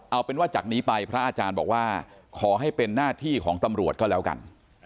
เอาเป็นว่าจากนี้ไปพระอาจารย์บอกว่าขอให้เป็นหน้าที่ของตำรวจก็แล้วกัน